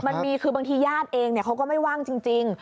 มันมีคือบางทีญาติเองเขาก็ไม่ว่างจริง